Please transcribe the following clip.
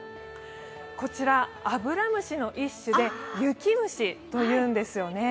アブラムシの一種で雪虫というんですよね。